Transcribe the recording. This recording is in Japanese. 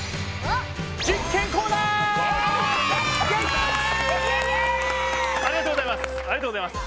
ありがとうございます。